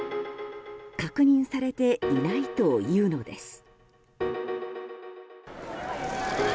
確認されていないというのです。